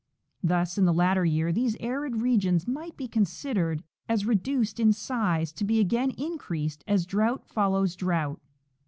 Thus in the latter year these arid regions might be considered as re duced in size, to be again increased as drought follows drought.